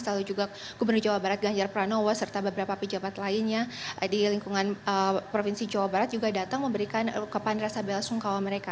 lalu juga gubernur jawa barat ganjar pranowo serta beberapa pejabat lainnya di lingkungan provinsi jawa barat juga datang memberikan ungkapan rasa bela sungkawa mereka